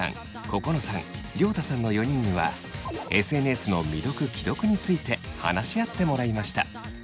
ここのさん涼太さんの４人にはＳＮＳの未読・既読について話し合ってもらいました。